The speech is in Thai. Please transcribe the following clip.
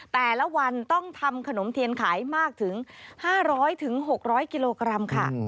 แต่ละวันต้องทำขนมเทียนขายมากถึง๕๐๐๖๐๐กิโลกรัมค่ะ